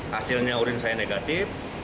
hasilnya urin saya negatif